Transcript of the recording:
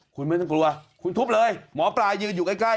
คุณไม่ต้องกลัวคุณทุบเลยหมอปลายืนอยู่ใกล้